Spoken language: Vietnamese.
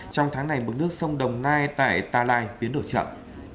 trong tháng này mực nước sông đồng nai tại ta lai biến đổi chậm